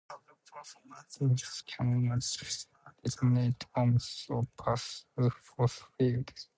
Dolls cannot detonate bombs or pass through force fields.